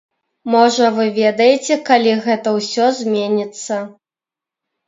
Можа, вы ведаеце, калі гэта ўсё зменіцца?